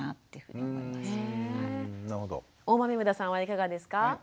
大豆生田さんはいかがですか？